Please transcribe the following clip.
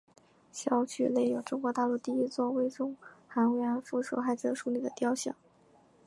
校区内有中国大陆第一座为中韩慰安妇受害者树立的塑像。